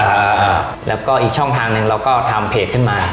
อ่าอ่าแล้วก็อีกช่องทางหนึ่งเราก็ทำเพจขึ้นมา